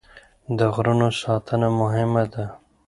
د غرونو ساتنه مهمه ده.